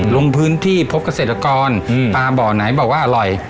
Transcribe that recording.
ลงพื้นที่พบเกษตรกรปลาบ่อไหนบอกว่าอร่อย